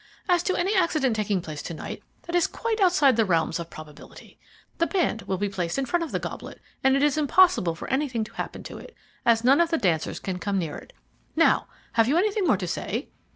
As to any accident taking place to night, that is quite outside the realms of probability. The band will be placed in front of the goblet, and it is impossible for anything to happen to it, as none of the dancers can come near it. Now, have you anything more to say?"